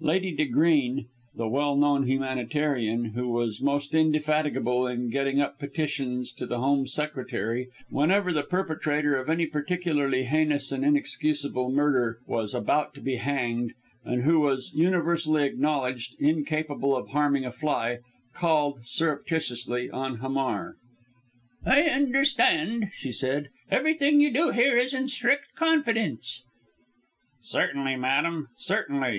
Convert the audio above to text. Lady De Greene, the well known humanitarian, who was most indefatigable in getting up petitions to the Home Secretary, whenever the perpetrator of any particularly heinous and inexcusable murder was about to be hanged, and who was universally acknowledged "incapable of harming a fly," called, surreptitiously, on Hamar. "I understand," she said, "everything you do here is in strict confidence!" "Certainly, madam, certainly!"